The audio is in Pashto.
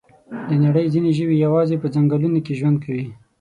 د نړۍ ځینې ژوي یوازې په ځنګلونو کې ژوند کوي.